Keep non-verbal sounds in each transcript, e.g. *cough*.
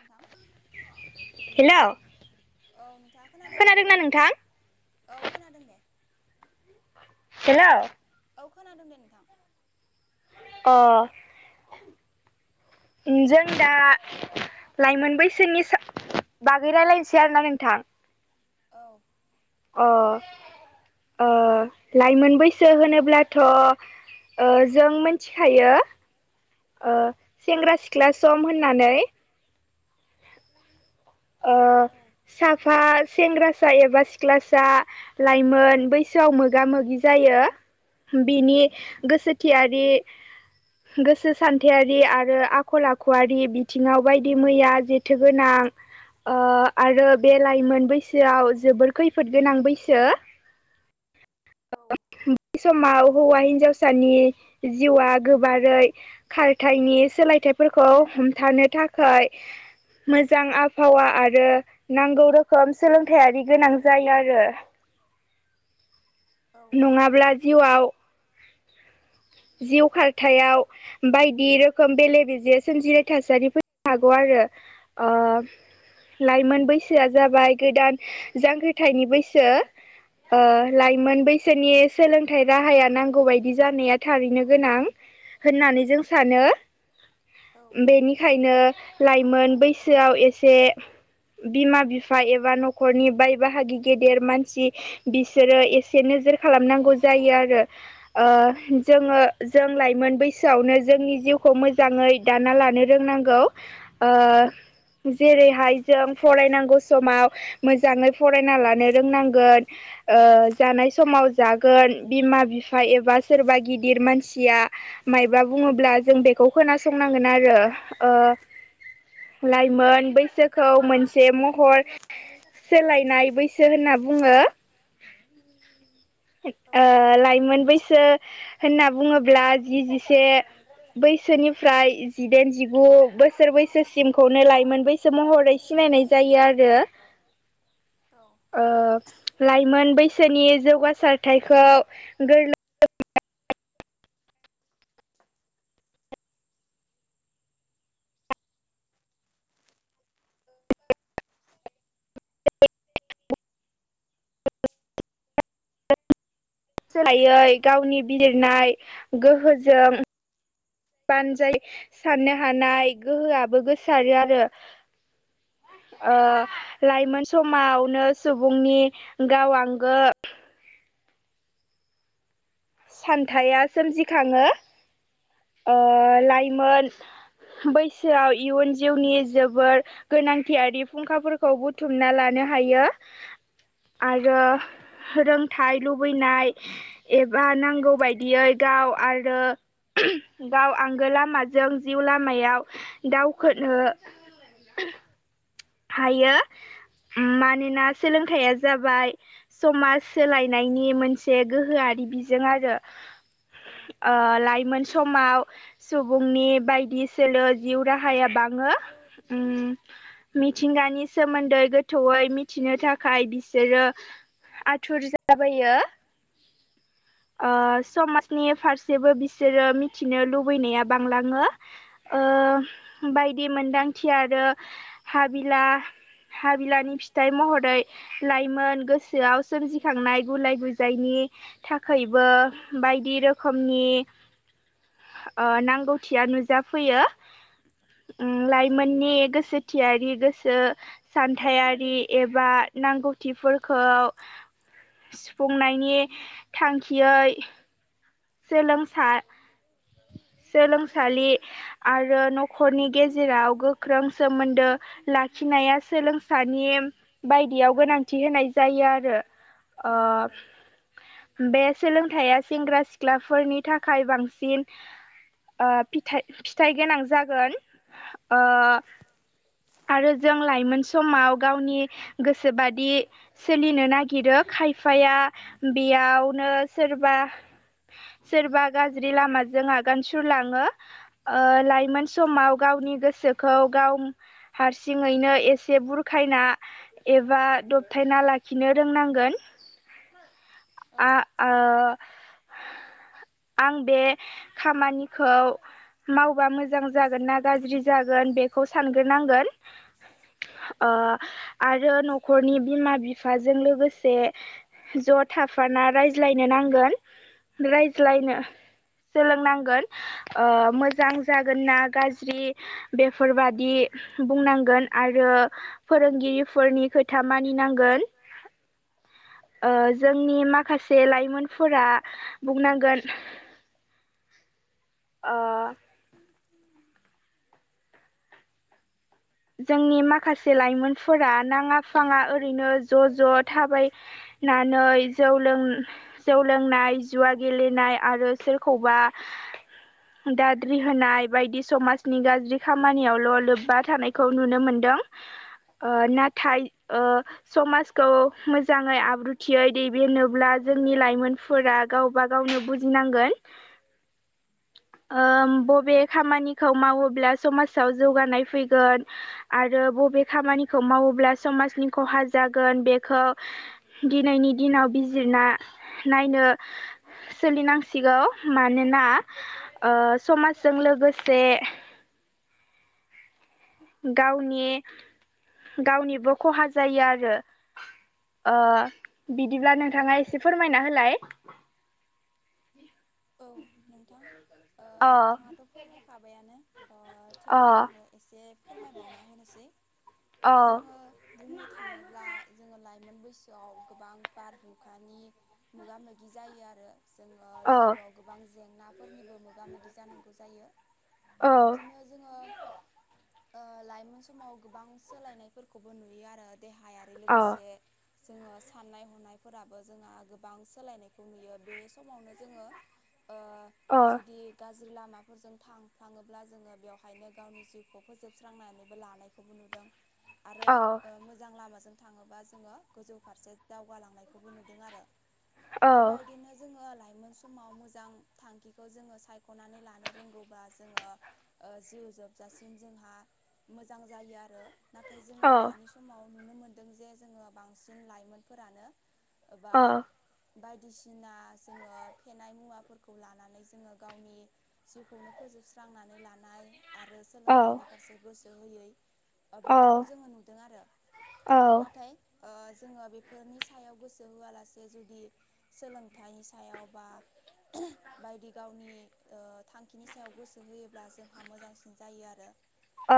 नोंथां हेल' औ नोंथाङा खोनादोंनादों औ खोनादों दे। हेल' औ खोनादों दे नोंथां। अ जों दा लाइमोन बैसोनि सा बागै रायजलायनोसै आरोना नोंथां। औ। अ ओ लाइमोन बैसो होनोब्लाथ' ओ जों मिथिखायो ओ सेंग्रा सिख्ला सम होननानै ओ साफा सेंग्रासा एबा सिख्लासा लाइमोन बैसोआव जायो। बिनि गोसोथियारि गोसो सान्थायारि आरो आखल आखुवि बिथिङाव बायदि मैया जेथोगोनां आरो बे लाइमोन बैसोआव जोबोर खैफोद गोनां बैसो। औ बै समाव हौवा हिन्जावसानि जिउआ गोबारै खारथायनि सोलायथायाइफोरखौ हमथानो थाखाय मोजां आबहावा आरो नांगौ रोखोम सोलोंथायआरि गोनां जायो आरो। नङाब्ला जिउआव जिउ खारथायाव बायदि रोखोम बेले बेजे सोमजिनाय थासारि फैनो हागौ आरो ओ लाइमोन बैसोआ जाबाय गोदान जांग्रिथायनि बैसो। ओ लाइमोन बै सोनि सोलोंथाइ राहाया नांगौ बायदि जानाया थारैनो गोनां होननानै जों सानो बेनिखायनो लाइमोन बैसोआव एसे बिमा बिफा एबा न'खरनि बाय बाहागि गेदेर मानसि बिसोरो एसे नोजोर खालामनांगौ जायो आरो। जोङो जों लाइमोन बैसोआवनो जोंनि जिउखौ मोजाङै दाना लानो रोंनांगौ ओ जेरैहाय जों फरायनांगौ समाव मोजाङै फरायना लानो रोंनांगोन ओ जानाय समाव जागोन बिमा बिफा एबा सोरबा गिदिर मानसिया माइबा बुंयोब्ला जों बेखौ खोनासंनांगोन आरो ओ लाइमोन बैसोखौ मोनसे महर सोलायनाय बैसो होनना बुङो। लाइमोन बैसो होनना बुङोब्ला जि जिसे बैसोनिफ्राय जिदाइन जिगु बोसोर बैसोसिमखौनो लाइमोन बैसो महरै सिनायनाय जायो। औ लाइमोन बैसोनि जौगासारथायखौ गोरलै सोलायै गावनि बिरनाय गोहोजों बानजाय सारनो हानाय गोहोआबो गोसारो आरो। लाइमोन समावनो सुबुंनि गाव आंगो सान्थाया सोमजिखाङो ओ लाइमोन बैसोआव इयुन जिउनि जोबोर गोनांथियारि फुंखाफोरखौ बुथुमना लानो हायो। आरो रोंथाइ लुबैनाय बा नांगौ बायदियै गाव आरो *unintelligible* गाव आंगो लामाजों जिउ लामायाव दावखोनो हायो मानोना सोलोंथाइया जाबाय समाज सोलायनायनि मोनसे गोहोआरि बिजों आरो। औ। ओ लाइमोन समाव सुबुंनि बायदि सोलो जिउ राहाया बाङो। मिथिंगानि सोमोन्दै गोथौयै मिथिनो थाखाय बिसोरो आथुर जाबोयो ओ समाजनि फारसेबो बिसोरो मिथिनो लुबैनाया बांलाङो। ओ बायदि मोनदांथि आरो हाबिला हाबिलानि फिथाइ महरै लाइमोन गोसोआव सोमजिखांनाय गुलाय गुजायनि थाखाय खैबो बायदि रोखोमनि ओ नांगौथिया नुजाफैयो ओ लाइमोननि गोसो थियारि गोसो सान्थायारि एबा नांगौथिफोरखौ सुफुंनायनि थांखियै सोलोंसार सोलोंसालि आरो न'खरनि गेजेराव गोख्रों सोमोन्दो लाखिनाया सोलोंसानि बायदियाव गोनांथि होनाय जायो आरो। ओ बे सोलोंथाइया सेंग्रा सिख्लाफोरनि थाखाय बांसिन ओ पिथाइ फिथाइ गोनां जागोन ओ आरो जों लाइमोन समाव गावनि गोसोबादि सोलिनो नागिरो खायफाया बेयावनो सोरबा सोरबा गाज्रि लामाजों आगान सुरलाङो। ओ लाइमोन समाव गावनि गोसोखौ गाव हारसिङैनो एसे बुरखायना एबा दबथायना लाखिनो रोंनांगोन। आ ओ आं बे खामानिखौ मावबा मोजां जागोन ना गाज्रि जागोन बेखौ सानग्रोनांगोन। ओ आरो न'खरनि बिमा बिफाजों लोगोसे ज' थाफाना रायज्लायनो नांगोन रायज्लायनो सोलोंनांगोन मोजां जागोन ना गाज्रि बेफोरबादि बुंनांगोन आरो फोरोंगिरिफोरनि खोथा मानिनांगोन ओ जोंनि माखासे लाइमोनफोरा बुंनांगोन। ओ जोंनि माखासे लाइमोनफोरा नाङा फाङा ओरैनो ज' ज' थाबाय नानै जौ लों जौ लोंनाय जुवा गेलेनाय आरो सोरखौबा दाद्रि होनाय बायदि समाजनि गाज्रि खामानियावल' लोब्बा थानाय खौ नुनो मोनदों ओ नाथाय ओ समाजखौ मोजाङै आब्रुथियै दैदेननोब्ला जोंनि लाइमोन फोरा गावबा गावनो बुजिनांगोन। बबे खामानिखौ मावोब्ला समाजाव जौगानाय फैगोन आरो बबे खामानिखौ मावोब्ला समाजनि खहा जागोन बेखौ दिनैनि दिनाव बिजिरना नायनो सोलिनांसिगौ मानोना ओ समाजजों लोगोसे गावनि गावनिबो खहा जायो आरो ओ बिदिब्ला नोंथाङा एसे फोरमायना होलाय। *inaudible* औ नोंथां ओ नोंथाङाथ' फोरमायखाबायानो। थेवबो आङो एसे फोरमायबावना होनोसै जोङो। बुंनो थाङोब्ला जोङो लाइमोन बैसोआव गोबां बारहुंखानि। मोगा मोगि जायो आरो जोङो जिउआव गोबां जेंनाफोरनिबो मोगा मोगि जानांगौ जायो बिब्दिनो जोङो ओ लायमोन समाव गोबां सोलायनाय फोरखौबो नुयो आरो देहायारि लोगोसे जोङो साननाय हनायफोराबो जोंहा गोबां सोलायनायखौ नुयो बे समावनो जोङो ओ जुदि गाज्रि लामाफोरजों थांफ्लाङोब्ला जोङो बेवहायनो गावनि जिउखौ फोजोबस्रांनानैबो लानाय खौबो नुदों आरो मोजां लामा जों थाङोबा जोङो गोजौ फारसे दावगालांनायखौबो नुदों आरो। बेबायदिनो जोङो लाइमोन समाव मोजां थांखिखौ जोङो सायख'नानै लानो रोंगौब्ला जोङो ओ जिउ जोबजासिम जोंहा मोजां जायो आरो। नाथाय जोङो दानि समाव नुनो मोनदों जे जोङो बांसिन लाइमोनफोरानो एबा बायदिसिना जोङो फेनाय मुवाफोरखौ लानानै जोङो गावनि जिउखौनो फोजोबस्रांनानै लानाय आरो सोलोंथाइनि फारसे गोसो होयै ओ बिब्दिखौ जोङो नुदों आरो नाथाय ओ जोङो बेफोरनि सायाव गोसो होआलासे जुदि सोलोंथाइनि सायाव बा बायदि गावनि ओ थांखिनि सायाव गोसो होयोब्ला जोंहा मोजांसिन जायो आरो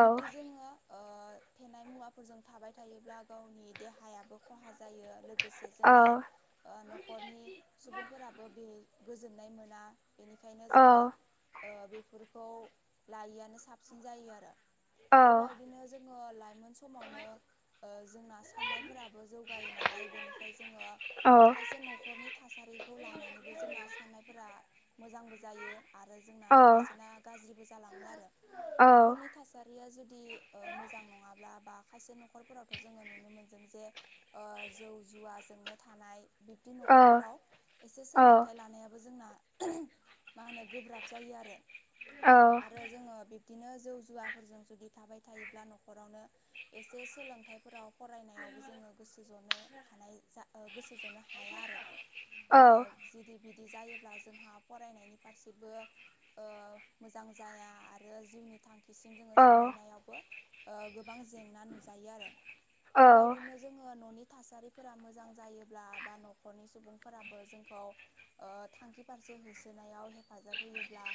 बिब्दि जोङो ओ फेनाय थाबाय थायोब्ला गावनि देहायाबो जायो लो लोगोसे जोंना ओ न'खरनि सुबुंफोराबो बे गोजोननाय मोना बेनिखायनो जोङो ओ बेफोरखौ लायैआनो साबसिन जायो आरो बेबायदिनो जोङो लाइमोन समावनो ओ जोंना साननायफोराबो जौगायो नालाय बेनिखायनो जोङो खायसे न'खरनि थासारिखौ लानानैबो जोंना साननायफोरा मोजांबो जायो आरो जोंना खायसेना गाज्रिबो जालाङो आरो न'खर नि था थासारिया जुदि ओ मोजां नङाब्ला बा खायसे न'खरफोरावथ' जोङो नुनो मोनदों जे ओ जौ जुवाजोंनो थानाय बिब्दि न'खरफोराव एसे लानायाबो जोंना मा होनो गोब्राब जायो आरो। औ। आरो जोङो बिब्दिनो जौ जुवाफोरजों जुदि थाबाय थायोब्ला न'खरावनो एसे सोलोंथाइफोराव फरायनायावबो जोङो गोसो जनो हानाय जा गोसो जनो हा हाया आरो ओ जुदि बिदि जायोब्ला जोंहा फरायनायनि फारसेबो ओ मोजां जाया आरो जिउनि थांखिसिम जोङो सहैनायावबो ओ गोबां जेंना नुजायो आरो बेबायदिनो जोङो न'नि थासारिफोरा मोजां जायोब्ला बा न'खरनि सुबुंफोराबो जों खौ ओ थांखि फारसे होसोनायाव हेफाजाब होयोब्ला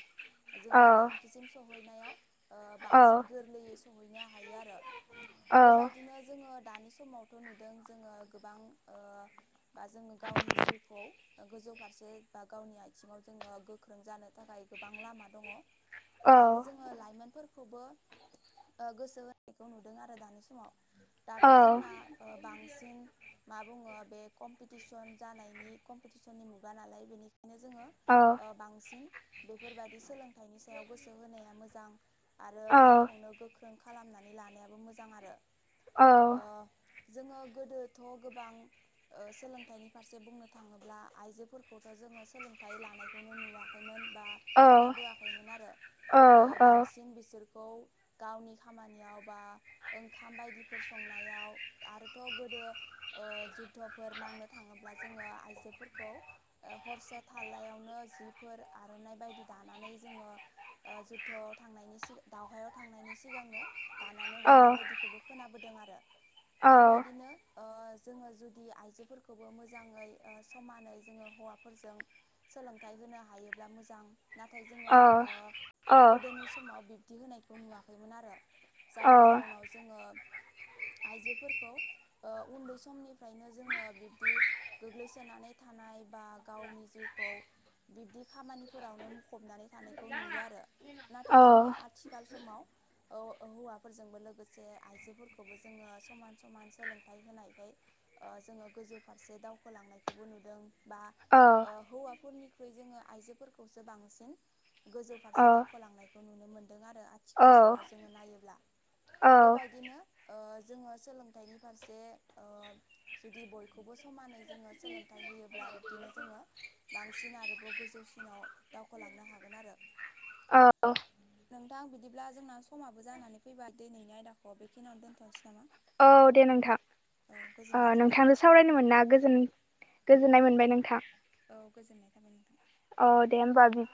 जोङो थांखिसिम सहैनायाव ओ बांसिन गोरलैयै सहैनो हायो आरो। बेबायदिनो जोङो दानि समावथ' नुदों जोङो ओ गोबां बा जोङो गावनि जिउखौ गोजौ फारसे बा गावनि आथिङाव जोङो गोख्रों जानो थाखाय गोबां लामा दङ आरो जोङो लाइमोनफोरखौबो ओ गोसो होनायखौ नुदों आरो दानि समाव दाथ' जोंना ओ बांसिन मा बुङो बे कम्पिटिसन जानायनि कम पिटिसननि मुगा नालाय बेनिखायनो जोङो ओ बांसिन बेफोरबायदि सोलों थाइनि सायाव गोसो होनाया मोजां आरो गावखौनो गोख्रों गोख्रों खालामनानै लानायाबो मोजां आरो ओ जोङो गोदोथ' गोबां ओ सोलोंथाइनि फारसे बुंनो थाङो ब्ला आइजोफोरखौथ' जोङो सोलोंथाइ लानायखौनो नुवाखैमोन बा खोनाबोआखैमोन आरो ओ बांसिन बिसोर खौ गावनि खामानियाव बा ओंखाम बायदिफोर संनायाव आरोथ' गोदो ओ जुद्ध'फोर नांनो थाङोब्ला जोङो आइजो फोरखौ हरसे थालायावनो जिफोर आर'नाइ बायदि दानानै जोङो ओ जुद्ध'आव थांनायनि सि दावहायाव थांनायनि सिगांनो दानानै हरनाय बायदिखौबो खोनाबोदों आरो बेबायदिनो ओ जोङो जुदि आइजोफोरखौबो मोजाङै समानै जोङो हौवाफोरजों सोलोंथाइ होनो हायोब्ला मोजां नाथाय जोङो ओ गोदोनि समाव बिब्दि होनायखौ नुवाखैमोन आरो जायनि जाउनाव जोङो आइजोफोरखौ ओ उन्दै समनिफ्रायनो जोङो बिब्दि गोग्लैसो सोनानै थानाय बा गावनि जिउखौ बिब्दि खामानिफोरावनो मुखबनानै थानाय खौ नुयो आरो नाथाय जोङो आथिखाल समाव औ हौवाफोरजोंबो लोगोसे आइजोफोरखौबो जोङो समान समान सोलोंथाइ होनायखाय ओ जोङो गोजौ फारसे दावखोलांनायखौ खौबो नुदों बा ओ हौवाफोरनिख्रुइ जोङो आइजोफोरखौसो बांसिन गोजौ फारसे दावखोलांनायखौ नुनो मोन्दों आरो आथि थिखाल समाव जोङो नायोब्ला बेबायदिनो ओ जोङो सोलोंथाइनि फारसे ओ जुदि बयखौबो समानै जों सोलोंथाय होयोब्ला बिब्दिनो जोङो बांसिन आरोबाव गोजौसिनाव दावखोलांनो हागोन आरो औ दा आं बिदिब्ला जोंना समाबो जानानै फैबा दिनैनि आयदाखौ बेखिनियावनो दोनथ'नोसै नामा औ दे नोंथां अ नोंथाङाबो सावरायनो मोनना गोजोन गोजोननाय मोनबाय नोंथां औ गोजोननाय थाबाय नोंथां अ दे होमबा बि